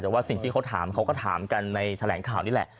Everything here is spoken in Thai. แต่ว่าสิ่งที่เขาถามเขาก็ถามกันในแถลงข่าวนี่แหละ